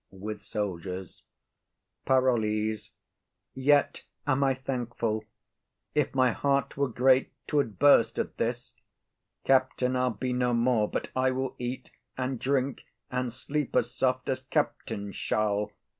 _] PAROLLES. Yet am I thankful. If my heart were great 'Twould burst at this. Captain I'll be no more, But I will eat, and drink, and sleep as soft As captain shall.